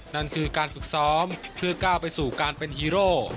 นั่นคือการฝึกซ้อมเพื่อก้าวไปสู่การเป็นฮีโร่